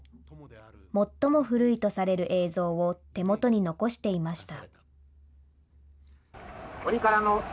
最も古いとされる映像を手元に残していました。